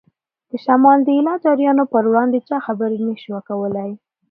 د شمال د ایله جاریانو په وړاندې چا خبرې نه شوای کولای.